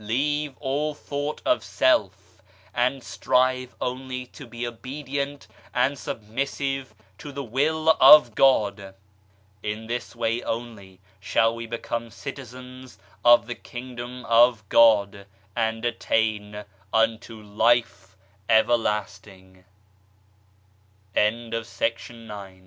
Leave all thought of self, and strive only to be obedient and submissive to the Will of God. In this way only shall we become citizens of the Kingdom of God, and attain unto Life Ever